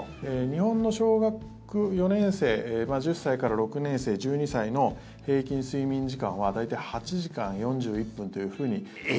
日本の小学４年生、１０歳から６年生、１２歳の平均睡眠時間は大体８時間４１分というふうに。